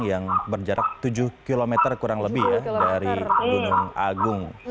yang berjarak tujuh kilometer kurang lebih dari gunung agung